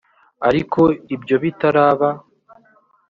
ariko ibyo bitaraba